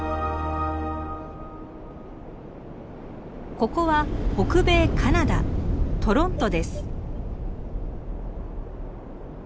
ここは北米カナダトロントです。